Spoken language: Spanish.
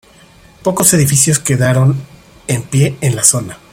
Pocos edificios quedaron en pie en la zona.